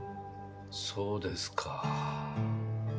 そうですか。